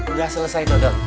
udah selesai do do